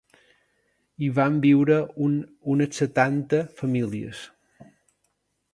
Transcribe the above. Hi van viure unes setanta famílies.